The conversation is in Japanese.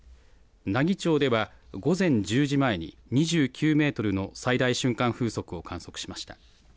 奈義町では午前１０時前に、２９メートルの最大瞬間風速を観測しました。